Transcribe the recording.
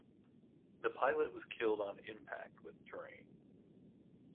The pilot was killed on impact with terrain.